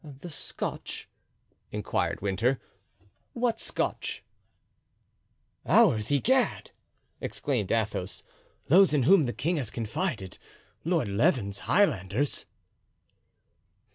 "The Scotch?" inquired Winter. "What Scotch?" "Ours, egad!" exclaimed Athos. "Those in whom the king has confided—Lord Leven's Highlanders."